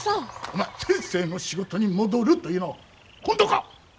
お前先生の仕事に戻るというのは本当か？